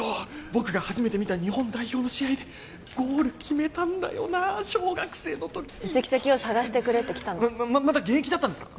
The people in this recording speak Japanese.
僕が初めて見た日本代表の試合でゴール決めたんだよなあ小学生の時移籍先を探してくれって来たのまだ現役だったんですか？